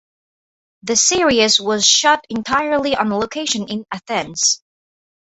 The series was shot entirely on location in Athens.